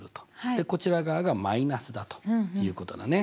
でこちら側がマイナスだということだね。